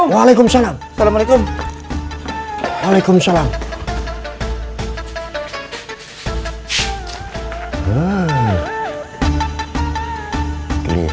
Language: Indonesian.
waalaikumsalam waalaikumsalam waalaikumsalam